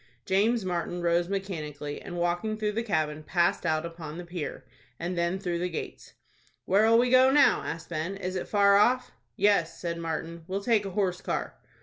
James Martin rose mechanically, and, walking through the cabin, passed out upon the pier, and then through the gates. "Where'll we go now?" asked Ben. "Is it far off?" "Yes," said Martin. "We'll take a horse car."